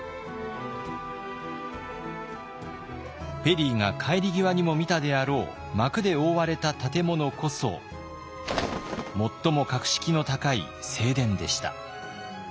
ペリーが帰り際にも見たであろう幕で覆われた建物こそ最も格式の高い正殿でした。